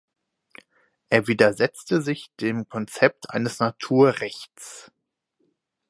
Er widersetzte sich dem Konzept eines Naturrechts.